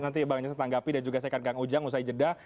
nanti bang jasa tanggapi dan juga saya akan kang ujang usai jeda